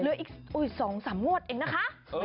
เหลืออีก๒๓งวดเองนะคะ